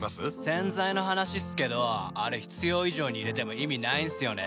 洗剤の話っすけどあれ必要以上に入れても意味ないんすよね。